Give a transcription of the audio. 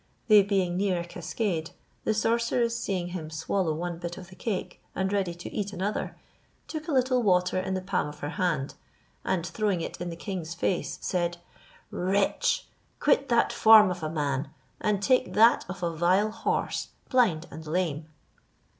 They being near a cascade, the sorceress seeing him swallow one bit of the cake, and ready to eat another, took a little water in the palm of her hand, and throwing it in the king's face, said, "Wretch! quit that form ofa man, and take that of a vile horse, blind and lame."